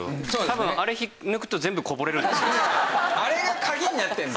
あれ鍵になってるの？